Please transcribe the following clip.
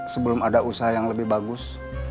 sebelum ada usaha yang lebih bagus